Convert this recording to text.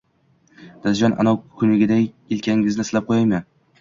Dadajon, anov kungiday yelkangizni silab qo‘yaymi?